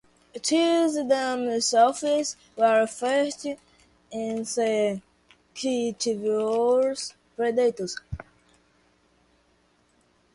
These damselflies were fast insectivorous predators.